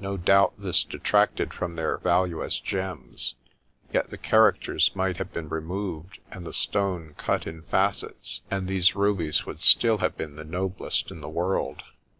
No doubt this detracted from their value as gems, yet the characters might have been removed and the stone cut in facets, and these rubies would still have been the noblest in the world.